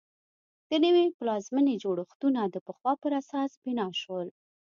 د نوې پلازمېنې جوړښتونه د پخوا پر اساس بنا شول.